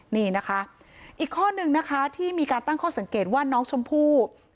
นี่นะคะอีกข้อนึงนะคะที่มีการตั้งข้อสังเกตว่าน้องชมพู่